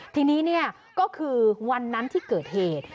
ทีนี้ก็คือวันนั้นที่เกิดเหตุ